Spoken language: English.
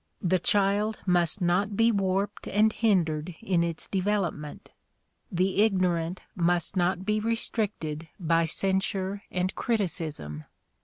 The child must not be warped and hindered in its development. The ignorant must not be restricted by censure and criticism.